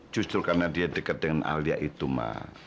justru karena dia dekat dengan alya itu mak